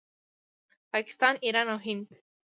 پاکستان، ایران او هند